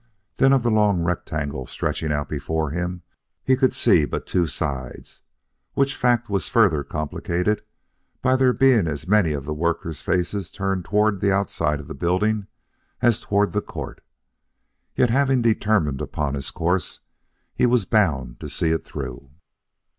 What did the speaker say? Then of the long rectangle stretching out before him he could see but two sides, which fact was further complicated by there being as many of the workers' faces turned toward the outside of the building as toward the court. Yet having determined upon his course, he was bound to see it through.